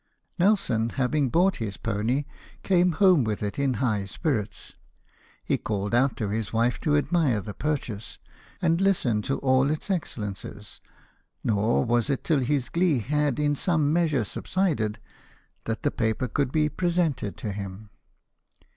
Nelson having bought his pony, came home with it in high spirits. He called out his wife to admire the purchase, and listen to all its excellences, nor was it till his glee had in some measure subsided that the paper could be presented to him.